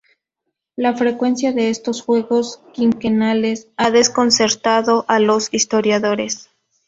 La frecuencia de estos juegos "quinquenales" ha desconcertado a los historiadores.